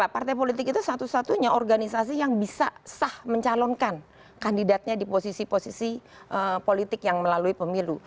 karena partai politik itu satu satunya organisasi yang bisa sah mencalonkan kandidatnya di posisi posisi politik yang melalui pemilu